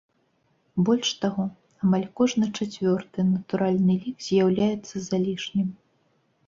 Больш таго, амаль кожны чацвёрты натуральны лік з'яўляецца залішнім.